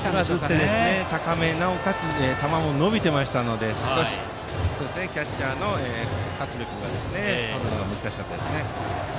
上ずって高め、なおかつ球も伸びていましたので少しキャッチャーの勝部君がとるのが難しかったですね。